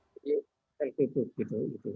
jadi seperti itu